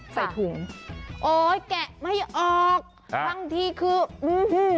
ใส่ถุงโอ้ยแกะไม่ออกครับบางทีคืออื้อหือ